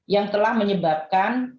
yang telah menyebabkan